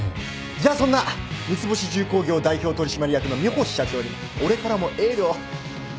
じゃあそんな三ツ星重工業代表取締役の三星社長に俺からもエールを。